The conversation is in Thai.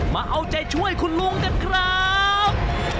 มาเอาใจช่วยคุณลุงกันครับ